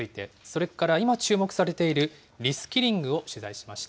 それから今注目されているリスキリングを紹介します。